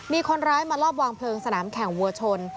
มีคนร้ายมาลอบวางเพลิงสนามแข่งวัวชน